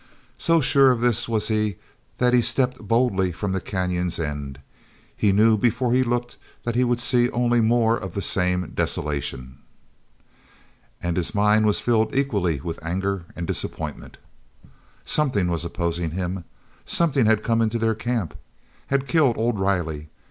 So sure of this was he that he stepped boldly from the canyon's end. He knew before he looked that he would see only more of the same desolation. And his mind was filled equally with anger and disappointment. omething was opposing him! Something had come into their camp—had killed old Riley.